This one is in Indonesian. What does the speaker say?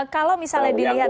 kalau misalnya dilihat